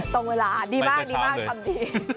ต้องเวลาดีมากคำดี